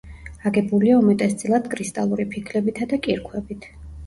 აგებულია უმეტესწილად კრისტალური ფიქლებითა და კირქვებით.